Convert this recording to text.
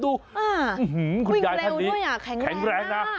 วิ่งเร็วด้วยอ่ะแข็งแรงมาก